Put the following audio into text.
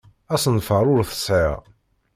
Asenfaṛ ur t-sɛiɣ.